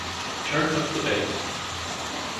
Turn up the bass.